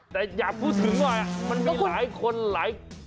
แต่อยากพูดถึงหน่อยมันมีหลายคนหลาย